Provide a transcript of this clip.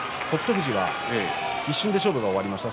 富士は一瞬で勝負が終わりました。